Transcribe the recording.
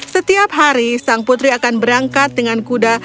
setiap hari sang putri akan berangkat dengan kuda